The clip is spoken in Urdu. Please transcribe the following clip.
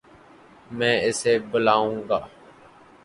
میں اسے بلاوں گا